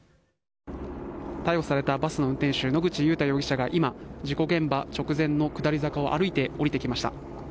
逮捕されたバスの運転手野口祐太容疑者が今、事故現場直前の下り坂を歩いて降りてきました。